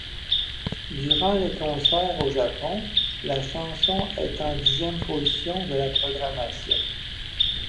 Durant les concerts au Japon, la chanson est en dixième position de la programmation.